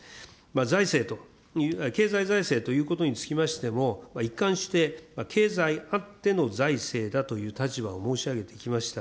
財政と、経済財政ということにつきましても、一貫して経済あっての財政だという立場を申し上げてきました。